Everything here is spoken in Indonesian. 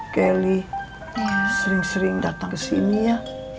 kelly sering sering datang kesini ya